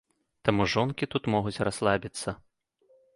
Таму жонкі тут могуць расслабіцца.